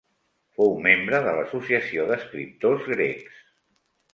Fou membre de l'Associació d'Escriptors Grecs.